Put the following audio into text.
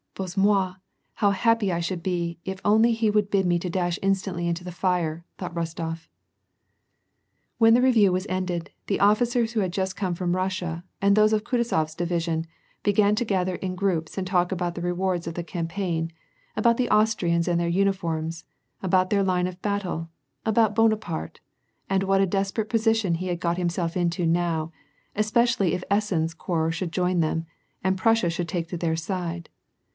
" Bozke TTioi ! how happpy I should be if he would only bid me to dash instantly into the fire !" thought Rostof. When the review was ended, the officers who had just come from Russia and those of Kutuzof s division, began to gather in groups and talk about the rewards of the campaign, about the Austrians and their uniforms, about their line of battle, about Bonaparte, and what a desperate position he had got himself into now, especially if Essen's corps should join them, and Prussia should take their side.